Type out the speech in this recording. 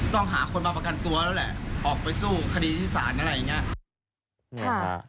ต้องหาคนมาประกันตัวแล้วแหละออกไปสู้คดีที่ศาลอะไรอย่างนี้